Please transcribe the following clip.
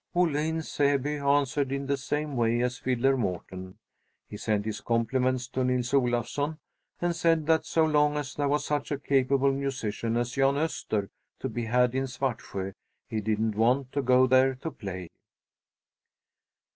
Olle in Säby answered in the same way as Fiddler Mårten. He sent his compliments to Nils Olafsson, and said that so long as there was such a capable musician as Jan Öster to be had in Svartsjö, he didn't want to go there to play.